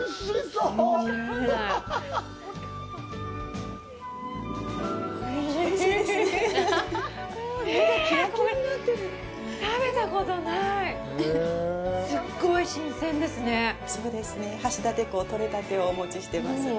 そうですね、橋立港、取れたてをお持ちしています。